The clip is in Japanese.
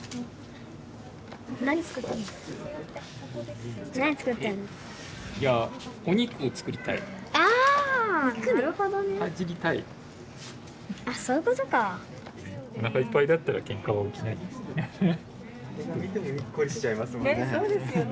誰が見てもにっこりしちゃいますもんね。